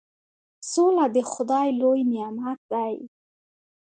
سوله د خدای لوی نعمت دی.